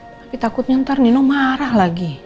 tapi takutnya ntar nino marah lagi